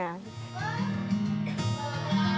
ya saya mau ke sekolah